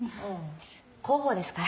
広報ですから。